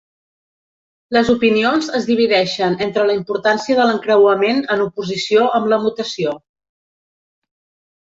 Les opinions es divideixen entre la importància de l'encreuament en oposició amb la mutació.